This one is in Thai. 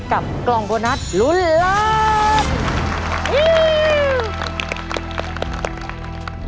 กับกล่องโบนัสลุ้นล้าน